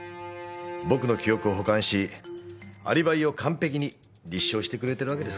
僕の記憶を補完しアリバイを完璧に立証してくれてるわけですからねぇ。